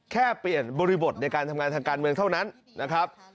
แค่เปลี่ยนบริบทในการทำงานทางการเมืองเท่านั้นนะครับ